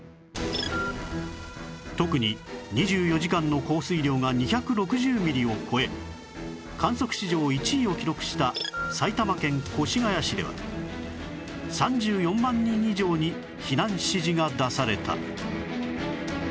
特に２４時間の降水量が２６０ミリを超え観測史上１位を記録した埼玉県越谷市では３４万人以上に避難指示が出された